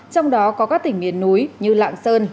trong đó có các tỉnh miền núi như lạng sơn